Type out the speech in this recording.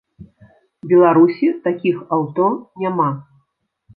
Беларусі такіх аўто няма.